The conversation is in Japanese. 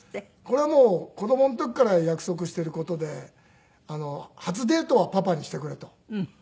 これはもう子供の時から約束している事で初デートはパパにしてくれと。